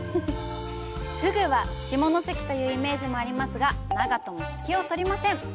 フグは下関というイメージもありますが長門も引けをとりません。